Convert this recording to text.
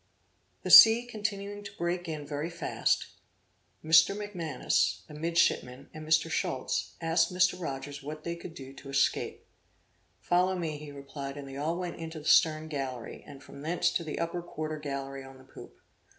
The sea continuing to break in very fast, Mr. Macmanus, a midshipman, and Mr. Schutz, asked Mr. Rogers what they could do to escape. "Follow me," he replied, and they all went into the stern gallery, and from thence to the upper quarter gallery on the poop.